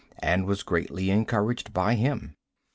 and was greatly encouraged by him.